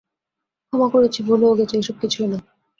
ক্ষমা করেছি, ভুলেও গেছি, এসব কিছুই না।